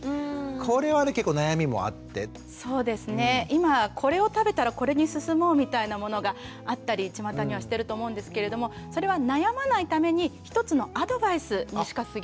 今これを食べたらこれに進もうみたいなものがあったりちまたにはしてると思うんですけれどもそれは悩まないために一つのアドバイスにしかすぎないんですよね。